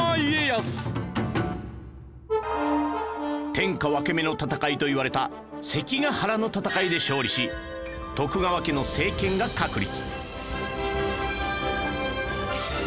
天下分け目の戦いといわれた関ヶ原の戦いで勝利し徳川家の政権が確立